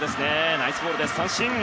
ナイスボール、三振！